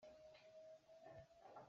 Mi sualnak na phuang bal hna maw?